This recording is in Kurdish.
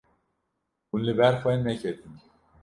Hûn li ber xwe neketin.